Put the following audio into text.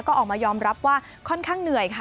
ก็ออกมายอมรับว่าค่อนข้างเหนื่อยค่ะ